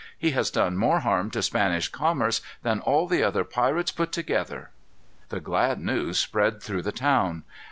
He has done more harm to Spanish commerce than all the other pirates put together." The glad news spread through the town.